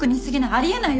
あり得ないよ